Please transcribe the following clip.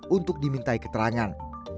untuk dimintai keterangan